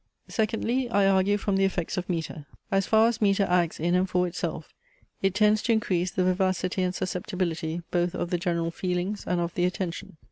Secondly, I argue from the effects of metre. As far as metre acts in and for itself, it tends to increase the vivacity and susceptibility both of the general feelings and of the attention.